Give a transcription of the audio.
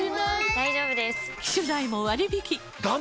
大丈夫です！